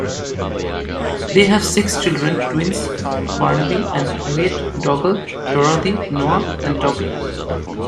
They have six children, twins Barnaby and Harriet, Dougal, Dorothy, Noah and Toby.